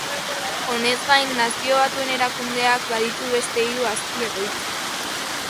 Honez gain, Nazio Batuen Erakundeak baditu beste hiru azpi-egoitza.